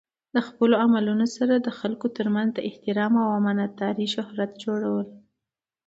د خپلو عملونو سره د خلکو ترمنځ د احترام او امانت دارۍ شهرت جوړول.